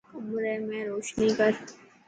ڪمري ۾ روشني ڪر.